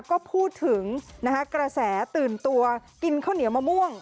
ก็พูดถึงกระแสตื่นตัวกินข้าวเหนียวมะม่วง